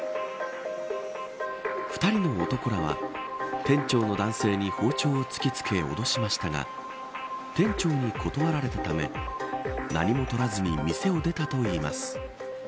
２人の男らは店長の男性に包丁を突き付けおどしましたが店長に断られたため何も取らずに店を出たといいます。